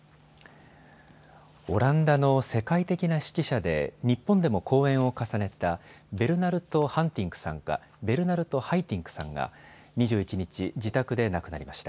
オランダの世界的な指揮者で日本でも公演を重ねたベルナルト・ハイティンクさんが２１日、自宅で亡くなりました。